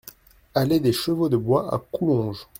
Allée des Chevaux de Bois à Coulonges